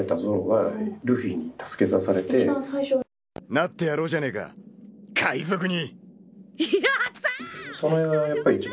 なってやろうじゃねえか海賊に。